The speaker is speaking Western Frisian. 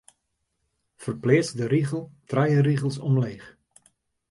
Ferpleats de rigel trije rigels omleech.